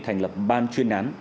thành lập ban chuyên án